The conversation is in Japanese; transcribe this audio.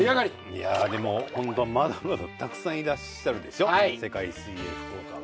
いやあでもホントにまだまだたくさんいらっしゃるでしょ世界水泳福岡は。